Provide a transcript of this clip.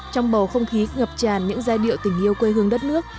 trong bầu không khí ngập tràn những giai điệu tình yêu quê hương đất nước